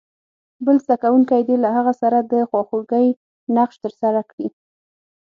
بل زده کوونکی دې له هغه سره د خواخوږۍ نقش ترسره کړي.